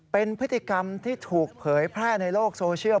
เป็นพฤติกรรมที่ถูกเผยแพร่ในโลกโซเชียล